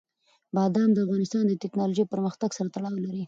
بادام د افغانستان د تکنالوژۍ پرمختګ سره تړاو لري.